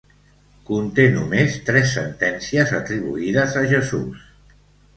Conté només tres sentències atribuïdes a Jesús.